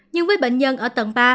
nhưng với bệnh nhân ở tầng ba